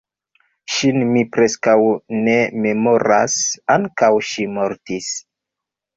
Ŝin mi preskaŭ ne memoras; ankaŭ ŝi mortis.